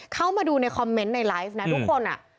เข้ามาดูในคอมเมนต์ในไลฟ์นะทุกคน